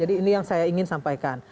jadi ini yang saya ingin sampaikan